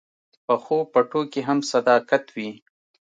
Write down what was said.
پخو پټو کې هم صداقت وي